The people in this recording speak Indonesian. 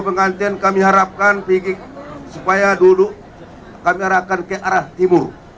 pengantin kami harapkan supaya dulu kami arahkan ke arah timur